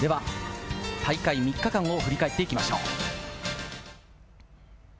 大会３日間を振り返っていきましょう。